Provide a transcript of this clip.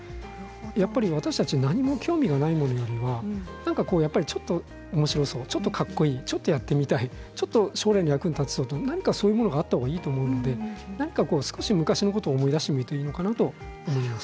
やっぱり私たち何も興味がないものよりはちょっとおもしろそうちょっとかっこいいちょっとやってみたいちょっと将来の役に立ちそうそういうものがあったほうがいいと思うのでちょっと昔のことを思い出してみたらいいのかなと思います。